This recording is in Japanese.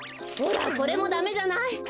ほらこれもダメじゃない。